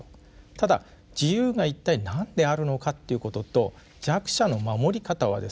ただ自由が一体何であるのかということと弱者の守り方はですね